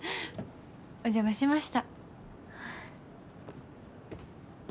お邪魔しました。